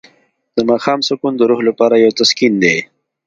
د ماښام سکون د روح لپاره یو تسکین دی.